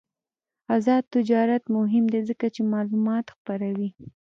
آزاد تجارت مهم دی ځکه چې معلومات خپروي.